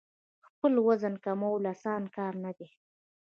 خپل وزن کمول اسانه کار نه دی.